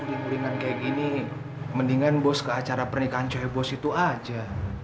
kering keringan kayak gini mendingan bos ke acara pernikahan cowok bos itu aja